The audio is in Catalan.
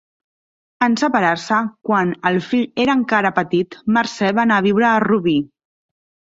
En separar-se, quan el fill era encara petit, Mercè va anar a viure a Rubí.